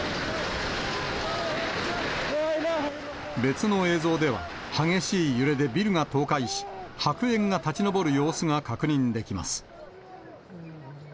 別の映像では、激しい揺れでビルが倒壊し、白煙が立ち上る様子が確認できます。